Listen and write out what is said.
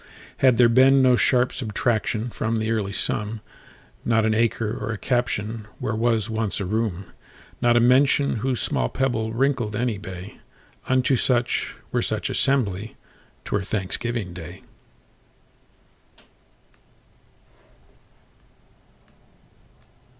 Had there been no sharp subtractionFrom the early sum, Not an acre or a captionWhere was once a room, Not a mention, whose small pebbleWrinkled any bay,—Unto such, were such assembly,'T were Thanksgiving day.